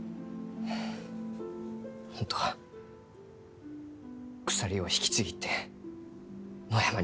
本当は鎖を引きちぎって野山に行きたい。